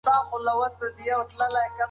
افغانانو د خپلې آزادۍ لپاره قربانۍ ورکړې.